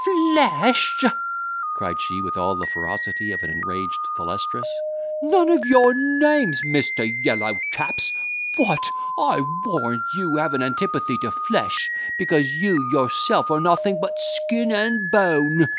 "Flesh!" cried she, with all the ferocity of an enraged Thalestris; "none of your names, Mr. Yellowchaps. What! I warrant you have an antipathy to flesh, because you yourself are nothing but skin and bone.